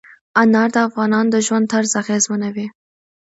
انار د افغانانو د ژوند طرز اغېزمنوي.